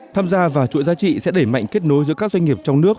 tham gia vào chuỗi giá trị sẽ đẩy mạnh kết nối giữa các doanh nghiệp trong nước